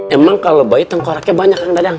emang kalau bayi tengkoraknya banyak kan dadang